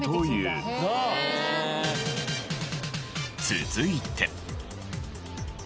続いて。